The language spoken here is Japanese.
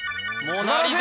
モナ・リザ